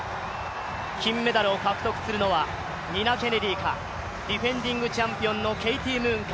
金メダルを獲得するのはニナ・ケネディかディフェンディングチャンピオンのケイティ・ムーンか。